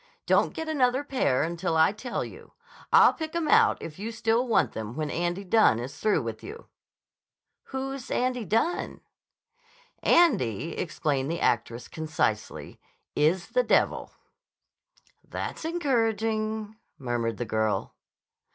Don't get another pair until I tell you. I'll pick 'em out if you still want them when Andy Dunne is through with you." "Who's Andy Dunne?" "Andy," explained the actress concisely, "is the devil." "That's encouraging," murmured the girl.